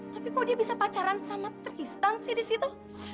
tapi kok dia bisa pacaran sangat teristan sih di situ